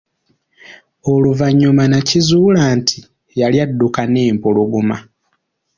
Oluvanyuma n'akizuula nti, yali adduka n'empologoma.